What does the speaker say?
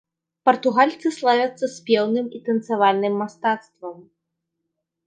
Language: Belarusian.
Партугальцы славяцца спеўным і танцавальным мастацтвам.